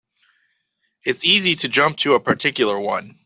It's easy to jump to a particular one.